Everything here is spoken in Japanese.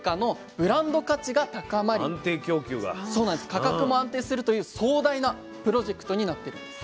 価格も安定するという壮大なプロジェクトになってるんです。